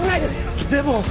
でも！